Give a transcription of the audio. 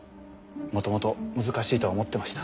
もともと難しいとは思ってました。